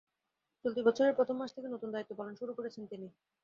চলতি বছরের প্রথম মাস থেকে নতুন দায়িত্ব পালন শুরু করেছেন তিনি।